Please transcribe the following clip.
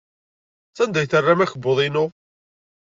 Sanda ay terram akebbuḍ-inu?